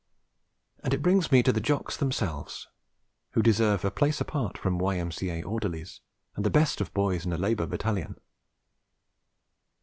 And it brings me to the Jocks themselves, who deserve a place apart from Y.M.C.A. orderlies and the best of boys in a Labour Battalion.